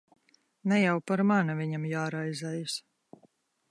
Ne jau par mani viņam jāraizējas.